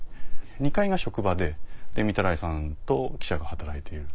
２階が職場で御手洗さんと記者が働いている。